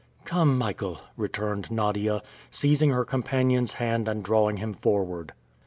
"Come, Michael," returned Nadia, seizing her companion's hand and drawing him forward.